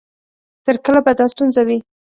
تر کله به دا ستونزه وي؟